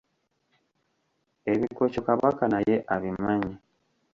Ebikoco Kabaka naye abimanyi.